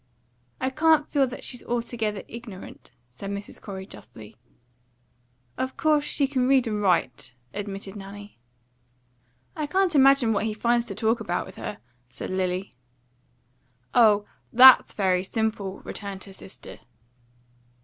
"I can't feel that she's altogether ignorant," said Mrs. Corey justly. "Of course she can read and write," admitted Nanny. "I can't imagine what he finds to talk about with her," said Lily. "Oh, THAT'S very simple," returned her sister.